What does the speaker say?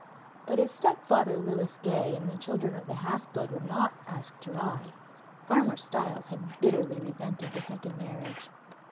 But his step father Lewis Gay and the children of the half blood were not asked to ride; farmer Stiles had bitterly resented the second marriage.